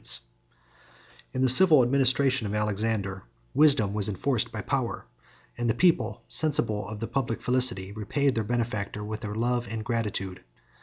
] In the civil administration of Alexander, wisdom was enforced by power, and the people, sensible of the public felicity, repaid their benefactor with their love and gratitude.